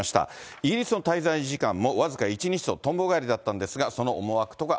イギリスの滞在時間も僅か１日と、とんぼ返りだったんですが、その思惑とは。